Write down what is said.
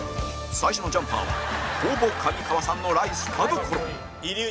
最初のジャンパーはほぼ上川さんのライス田所